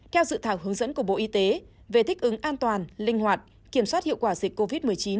theo dự thảo hướng dẫn của bộ y tế về thích ứng an toàn linh hoạt kiểm soát hiệu quả dịch covid một mươi chín